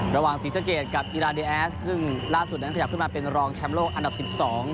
ระหว่างศรีสะเกดกับอีราเดียสซึ่งล่าสุดนั้นขยับขึ้นมาเป็นรองแชมโลกอันดับ๑๒